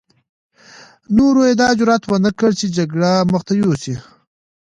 نورو يې دا جرعت ونه کړ چې جګړې مخته يوسي.